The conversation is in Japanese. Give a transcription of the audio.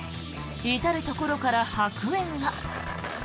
至るところから白煙が。